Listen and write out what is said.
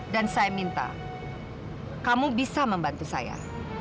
dan saya minta kamu bisa membantu saya